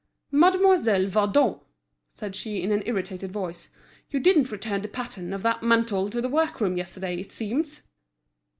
"Mademoiselle Vadon," said she, in an irritated voice, "you didn't return the pattern of that mantle to the workroom yesterday, it seems?"